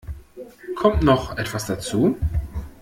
Kommt noch etwas dazu?